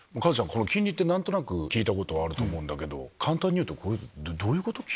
この金利って何となく聞いたことはあるけど簡単にいうとどういうこと？